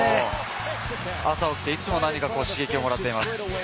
朝起きて、いつも何か刺激をもらっています。